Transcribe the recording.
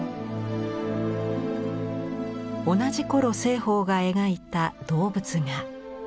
同じ頃栖鳳が描いた動物画。